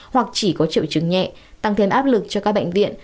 hoặc chỉ có triệu chứng nhẹ tăng thêm áp lực cho các bệnh viện